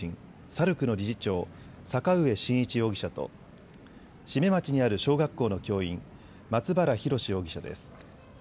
さるくの理事長、坂上慎一容疑者と志免町にある小学校の教員、松原宏容疑者です。